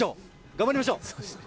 頑張りましょう。